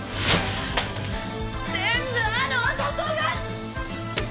全部あの男が！